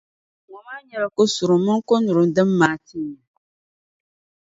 Ŋɔ maa nyɛla kosurum mini konyurim din maai n-tinya.